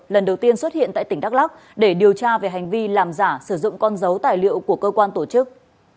lần đầu tiên xuất hiện tại tỉnh đắk lắc để điều tra về hành vi làm giả sử dụng con dấu tài liệu của cơ quan tổ chức